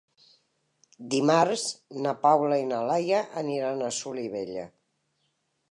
Dimarts na Paula i na Laia aniran a Solivella.